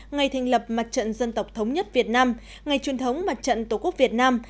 ngày thành lập mặt trận dân tộc thống nhất việt nam ngày truyền thống mặt trận tổ quốc việt nam